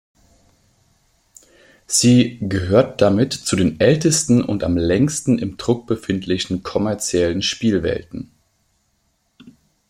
Sie gehört damit zu den ältesten und am längsten im Druck befindlichen kommerziellen Spielwelten.